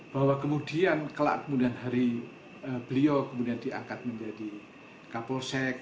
bahwa kemudian hari beliau kemudian diangkat menjadi kapolsek